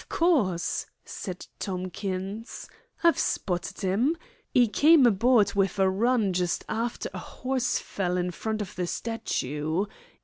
"Of course," said Tomkins. "I've spotted 'im. 'E came aboard wiv a run just arter a hoss fell in front of the statoo.